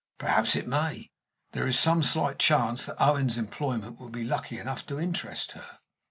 Perhaps it may. There is some slight chance that Owen's employment will be lucky enough to interest her.